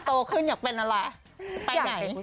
โตขึ้นอยากเป็นอะไรไปไหน